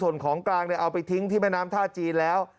ส่วนของกลางเอาไปทิ้งที่แม่น้ำท่าจีนแล้ว